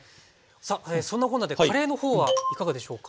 さあそんなこんなでカレーの方はいかがでしょうか？